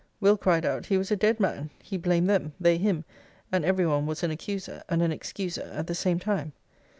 'Will. cried out, he was a dead man: he blamed them; they him; and every one was an accuser, and an excuser, at the same time.